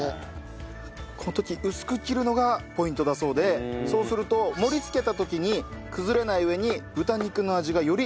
この時薄く切るのがポイントだそうでそうすると盛りつけた時に崩れない上に豚肉の味がより